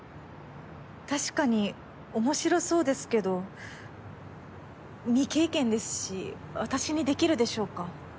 確かに面白そうですけど未経験ですし私にできるでしょうか？